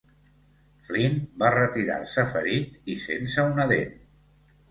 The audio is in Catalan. Flyn va retirar-se ferit i sense una dent.